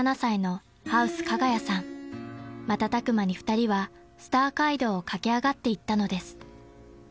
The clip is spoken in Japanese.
［瞬く間に２人はスター街道を駆け上がっていったのです］